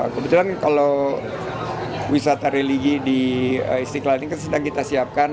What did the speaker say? kebetulan kalau wisata religi di istiqlal ini kan sedang kita siapkan